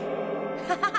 ハハハ！